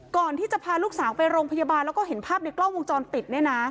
ก่อนที่จะพาลูกสาวไปโรงพยาบาลแล้วก็เห็นภาพในกล้องวงจรปิดเนี่ยนะ